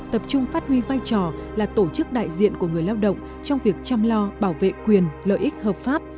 tập trung phát huy vai trò là tổ chức đại diện của người lao động trong việc chăm lo bảo vệ quyền lợi ích hợp pháp